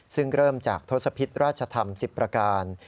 ซึ่งเริ่มจากทศพิษราชธรรม๑๐ประการ